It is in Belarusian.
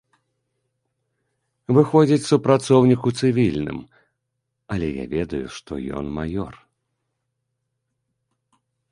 Выходзіць супрацоўнік у цывільным, але я ведаю, што ён маёр.